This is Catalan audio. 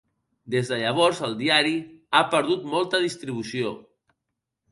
Des de llavors, el diari ha perdut molta distribució.